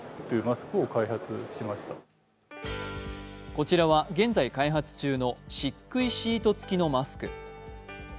こちらは、現在開発中のしっくいシートつきのマスク。